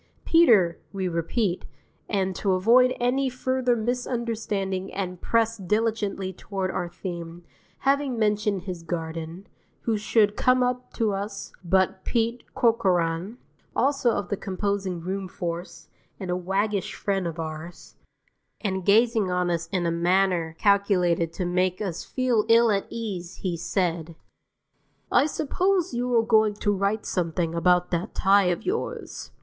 Peter, we repeat, and to avoid any further misunderstanding and press diligently toward our theme, having mentioned his garden, who should come up to us but Pete Corcoran, also of the composing room force, and a waggish friend of ours, and gazing on us in a manner calculated to make us feel ill at ease he said, "I suppose you are going to write something about that tie of yours."